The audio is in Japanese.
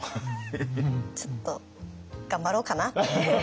ちょっと頑張ろうかなって。